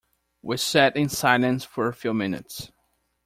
We sat in silence for a few minutes.